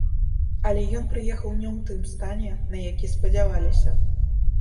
Але ён прыехаў не ў тым стане, на які спадзяваліся.